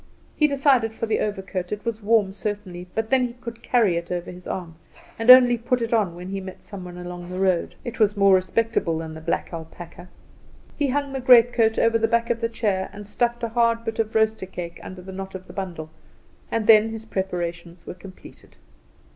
He decided for the overcoat; it was warm, certainly, but then he could carry it over his arm and only put it on when he met some one along the road. It was more respectable than the black alpaca. He hung the greatcoat over the back of the chair, and stuffed a hard bit of roaster cake under the knot of the bundle, and then his preparations were completed.